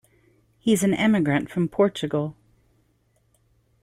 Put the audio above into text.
He's an immigrant from Portugal.